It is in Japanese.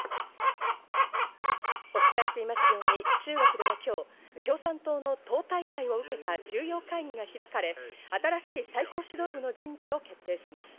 お伝えしていますように中国では今日、共産党の党大会を受けた重要会議が開かれ、新しい最高指導部の人事を決定します。